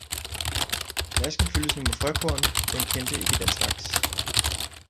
Flasken fyldtes nu med frøkorn, den kendte ikke den slags.